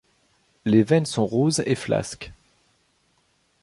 Les veines sont roses et flasques.